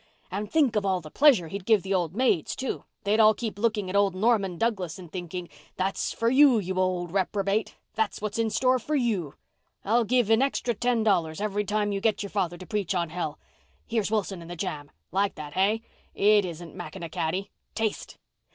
And think of all the pleasure he'd give the old maids, too. They'd all keep looking at old Norman Douglas and thinking, 'That's for you, you old reprobate. That's what's in store for you!' I'll give an extra ten dollars every time you get your father to preach on hell. Here's Wilson and the jam. Like that, hey? It isn't macanaccady. Taste!"